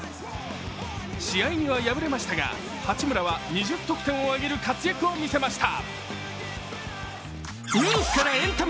試合には敗れましたが八村は２０得点を上げる活躍を見せました。